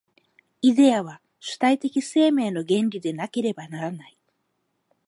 イデヤは主体的生命の原理でなければならない。